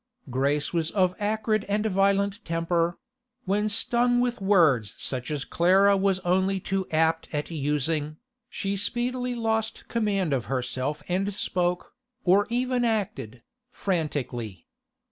Grace was of acrid and violent temper; when stung with words such as Clara was only too apt at using, she speedily lost command of herself and spoke, or even acted, frantically.